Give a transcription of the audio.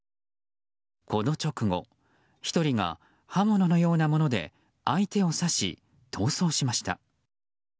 この直後１人が刃物のようなもので相手を刺し、逃走しました。